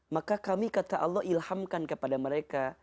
maka kami kata allah ilhamkan kepada mereka